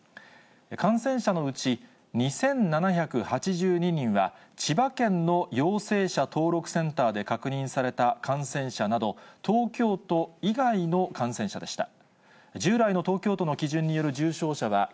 感染者のうち、２７８２人は、千葉県の陽性者登録センターで確認された感染者など、東京都以外の感染者でした。